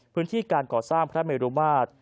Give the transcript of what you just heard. พื้นที่การก่อสร้างพระเมรุมาตร